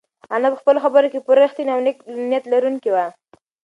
انا په خپلو خبرو کې پوره رښتینې او نېک نیت لرونکې وه.